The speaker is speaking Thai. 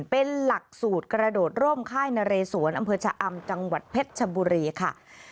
เป็นหลักสูตรกระโดดร่มค่ายนเรสวนอำเภอชะอำจังหวัดเพชรชบุรีค่ะ